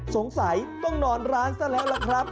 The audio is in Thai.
สงสัยต้องนอนร้านซะแล้วล่ะครับ